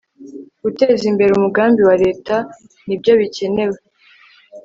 gutezimbere umugambi wa leta ni byo bikenewe